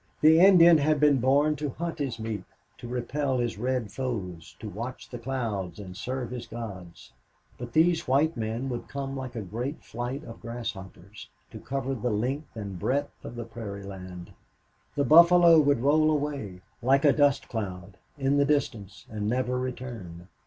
The Indian had been born to hunt his meat, to repel his red foes, to watch the clouds and serve his gods. But these white men would come like a great flight of grasshoppers to cover the length and breadth of the prairie land. The buffalo would roll away, like a dust cloud, in the distance, and never return.